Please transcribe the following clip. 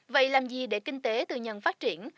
vậy làm gì để kinh tế tư nhân phát triển